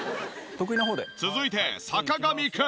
続いて坂上くん。